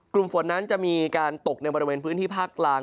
กลุ่มฝนนั้นจะมีการตกในบริเวณพื้นที่ภาคกลาง